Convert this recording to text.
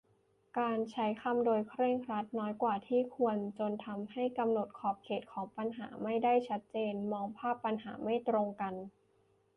การใช้คำโดยเคร่งครัดน้อยกว่าที่ควร จนทำให้กำหนดขอบเขตของปัญหาไม่ได้ชัดเจน-มองภาพปัญหาไม่ตรงกัน